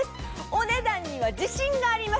お値段には自信があります。